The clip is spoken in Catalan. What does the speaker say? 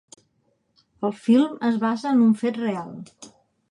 El film es basa en un fet real.